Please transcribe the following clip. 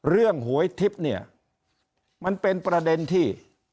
หวยทิพย์เนี่ยมันเป็นประเด็นที่